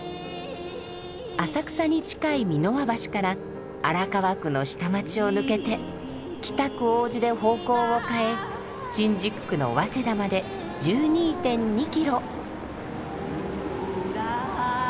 浅草に近い三ノ輪橋から荒川区の下町を抜けて北区王子で方向を変え新宿区の早稲田まで１２．２キロ。